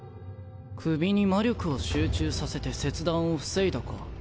首に魔力を集中させて切断を防いだか。